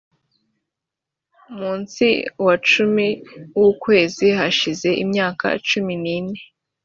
munsi wa cumi w ukwezi hashize imyaka cumi n ine